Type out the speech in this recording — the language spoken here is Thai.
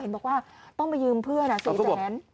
เห็นบอกว่าต้องไปยืมเพื่อนอ่ะ๔แจน